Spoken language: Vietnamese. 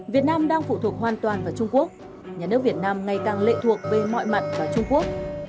việt nam đang phụ thuộc hoàn toàn vào trung quốc nhà nước việt nam ngày càng lệ thuộc về mọi mặt vào trung quốc